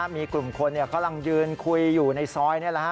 มีกลุ่มคนเนี่ยกำลังยืนคุยอยู่ในซ้อยเนี่ยแหละฮะ